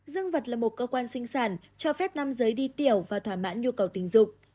dương vật là một cơ quan sinh sản cho phép nam giới đi tiểu và thỏa mãn nhu cầu tình dục